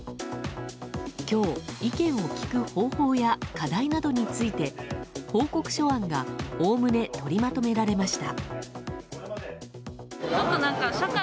今日、意見を聞く方法や課題などについて、報告書案がおおむね取りまとめられました。